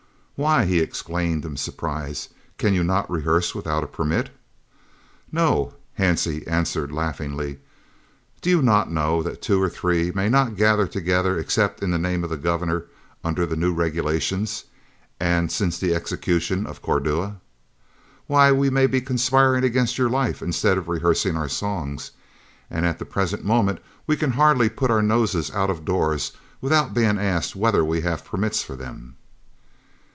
"Why," he exclaimed in surprise, "can you not rehearse without a permit?" "No," Hansie answered laughingly. "Do you not know that two or three may not gather together except in the name of the Governor under the new regulations and since the execution of Cordua? Why, we may be conspiring against your life instead of rehearsing our songs, and at the present moment we can hardly put our noses out of doors without being asked whether we have permits for them."